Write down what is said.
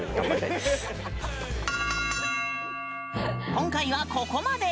今回はここまで！